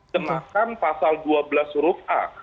cemakan pasal dua belas huruf a